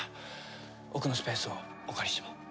奥のスペースをお借りしても？